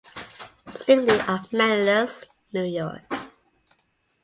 Stickley of Manlius, New York.